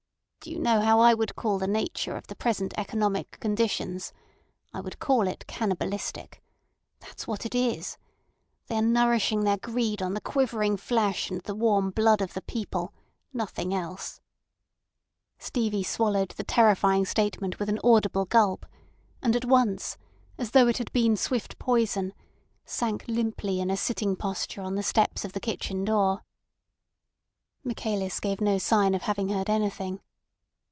"Do you know how I would call the nature of the present economic conditions? I would call it cannibalistic. That's what it is! They are nourishing their greed on the quivering flesh and the warm blood of the people—nothing else." Stevie swallowed the terrifying statement with an audible gulp, and at once, as though it had been swift poison, sank limply in a sitting posture on the steps of the kitchen door. Michaelis gave no sign of having heard anything.